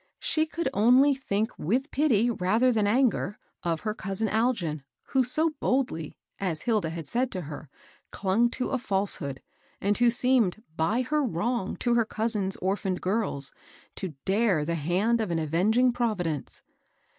She could only think, with pity rather than an ger, of her cousin Algin, who so boldly, as Hilda had said to her, clung to a falsehood, and who seemed, by her wrong to her cousin's orphaned girls, to dare the hand of an avenging Providence.